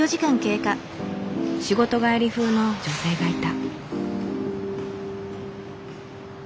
仕事帰り風の女性がいた。